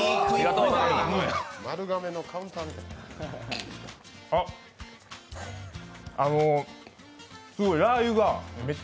丸亀のカウンターみたい。